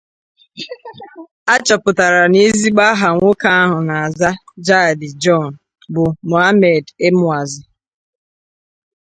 A chọpụtara n’ezigbo aha nwoke ahụ na-aza Jhadi John bụ Mohammed Emwazi